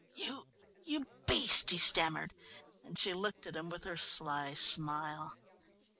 "You you beast," he stammered, and she looked at him with her sly smile.